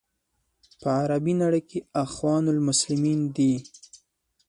په عربي نړۍ کې اخوان المسلمین دي.